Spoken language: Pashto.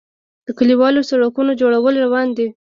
د کلیوالي سړکونو جوړول روان دي